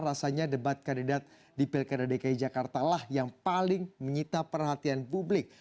rasanya debat kandidat di pilkada dki jakarta lah yang paling menyita perhatian publik